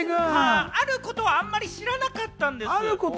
あることをあまり知らなかったんです。